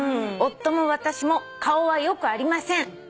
「夫も私も顔は良くありません」